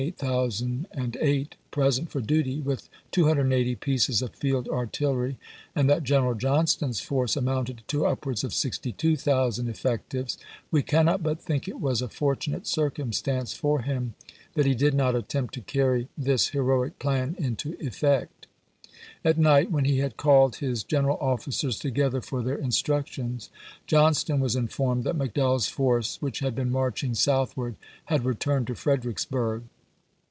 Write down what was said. ■' were 98,008 present for duty, with 280 pieces of field artillery, and that General Johnston's force amounted to upwards of 62,000 effectives, we can not but think it was a fortunate circumstance for him that he did not attempt to carry this heroic jjlan into effect. At night, when he had called his FEOM WILLIAMSBUKG TO FAIK OAKS 387 general officers together for their instructions, chap.xxi. Johnston was informed that McDowell's force, which had been marching southward, had returned to Fredericksburg.